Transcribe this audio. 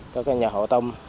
các nhà hậu tâm